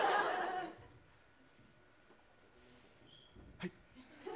はい。